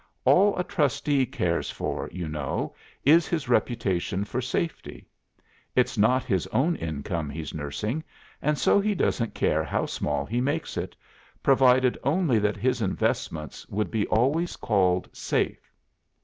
'All a trustee cares for you know, is his reputation for safety. It's not his own income he's nursing, and so he doesn't care how small he makes it, provided only that his investments would be always called safe.